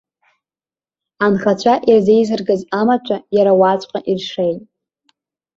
Анхацәа ирзеизыргаз амаҭәа, иара уаҵәҟьа иршеит.